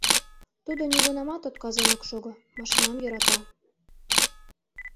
Тудо нигунамат отказен ок шого, машинам йӧрата.